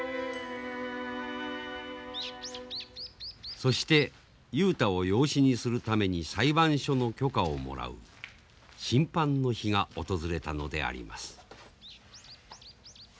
そして雄太を養子にするために裁判所の許可をもらう審判の日が訪れたのであります。